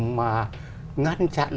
mà ngăn chặn